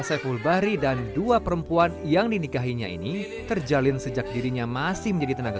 saiful bahri dan dua perempuan yang dinikahinya ini terjalin sejak dirinya masih menjadi tenaga